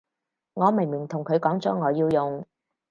我明明同佢講咗我要用